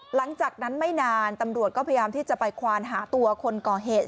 หลังจากนั้นไม่นานตำรวจก็พยายามที่จะไปควานหาตัวคนก่อเหตุ